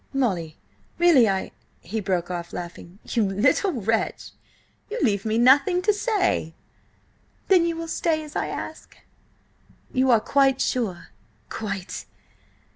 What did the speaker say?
"Molly–really, I—" He broke off, laughing. "You little wretch, you leave me nothing to say!" "Then you will stay, as I ask?" "You are quite sure—" "Quite."